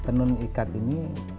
tenun ikat ini